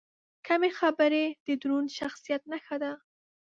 کمې خبرې، د دروند شخصیت نښه ده.